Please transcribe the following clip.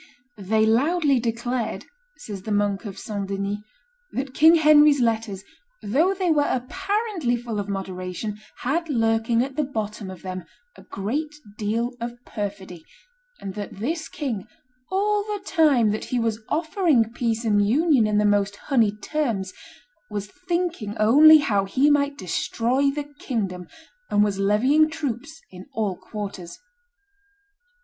"They loudly declared," says the monk of St. Denis, "that King Henry's letters, though they were apparently full of moderation, had lurking at the bottom of them a great deal of perfidy, and that this king, all the time that he was offering peace and union in the most honeyed terms, was thinking only how he might destroy the kingdom, and was levying troops in all quarters."